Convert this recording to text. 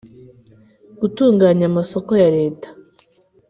gutunganya amasoko ya leta